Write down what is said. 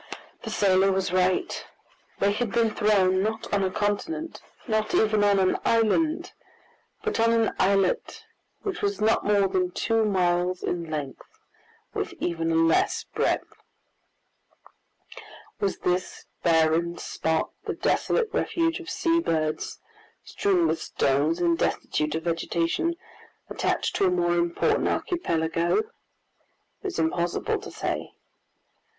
The sailor was right; they had been thrown, not on a continent, not even on an island, but on an islet which was not more than two miles in length, with even a less breadth. Was this barren spot the desolate refuge of sea birds, strewn with stones and destitute of vegetation, attached to a more important archipelago? It was impossible to say.